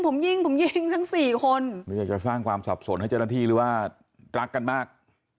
ผมยิงผมยิงทั้งสี่คนไม่อยากจะสร้างความสับสนให้เจ้าหน้าที่หรือว่ารักกันมาก